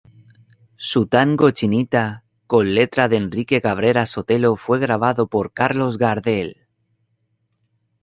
Su tango "Chinita", con letra de Enrique Cabrera Sotelo fue grabado por Carlos Gardel.